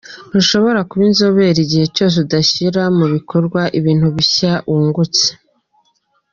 Ntushobora kuba inzobere igihe cyose udashyira mu bikorwa ibintu bishya wungutse.